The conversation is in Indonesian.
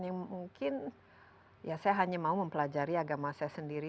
yang mungkin ya saya hanya mau mempelajari agama saya sendiri